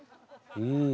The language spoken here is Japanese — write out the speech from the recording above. うん。